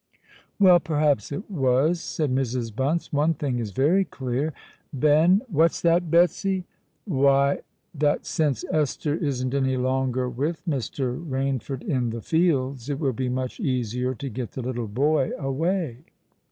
"Well—perhaps it was," said Mrs. Bunce. "One thing is very clear, Ben——" "What's that, Betsy?" "Why—that since Esther isn't any longer with Mr. Rainford in the Fields, it will be much easier to get the little boy away."